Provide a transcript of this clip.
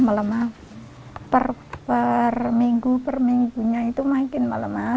melemah per minggu per minggunya itu makin melemah